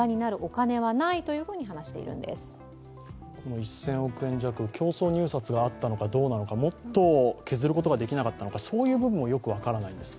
１０００億円弱、競争入札があったのか、どうなのか、もっと削ることができなかったのか、そういう部分もよく分からないんです。